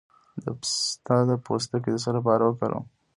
د پسته پوستکی د څه لپاره وکاروم؟